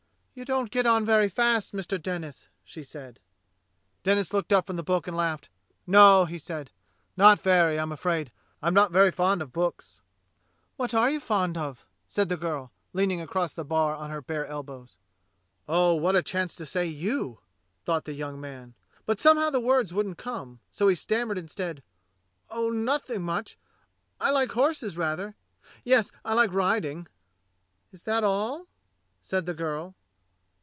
"You don't get on very fast, Mr. Denis," she said. Denis looked up from the book and laughed. "No," he said, "not very, I'm afraid; I'm not very fond of books." "What are you fond of.^" said the girl, leaning across the bar on her bare elbows. "Oh, what a chance to say *you'!" thought the young man; but somehow the words wouldn't come, so he stammered instead: "Oh, nothing much. I like horses rather; yes, I like riding." "Is that all.?" said the girl.